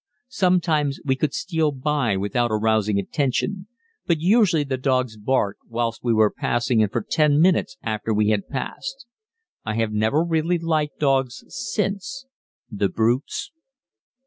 Sometimes we could steal by without arousing attention, but usually the dogs barked whilst we were passing and for ten minutes after we had passed. I have never really liked dogs since the brutes.